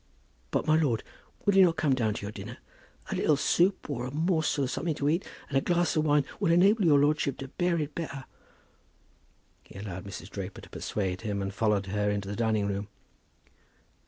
"But, my lord, will you not come to your dinner? A little soup, or a morsel of something to eat, and a glass of wine, will enable your lordship to bear it better." He allowed Mrs. Draper to persuade him, and followed her into the dining room.